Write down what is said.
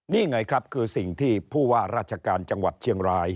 นี่ไงครับคือสิ่งที่ผู้ว่าราชการจังหวัดเชียงราย